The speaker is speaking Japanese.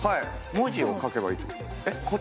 文字を書けばいいってこと。